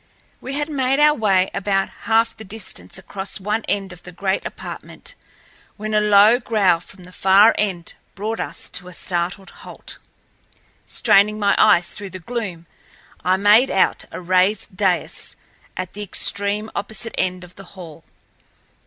We had made our way about half the distance across one end of the great apartment when a low growl from the far end brought us to a startled halt. Straining my eyes through the gloom, I made out a raised dais at the extreme opposite end of the hall.